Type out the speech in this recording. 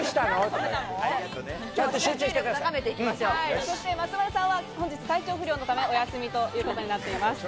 そして松丸さんは本日、体調不良のため、お休みとなっています。